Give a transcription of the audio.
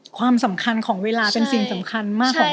ความสำคัญของเวลาเป็นสิ่งสำคัญมากของเรา